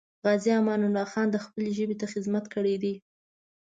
غازي امان الله خان خپلې ژبې ته خدمت کړی دی.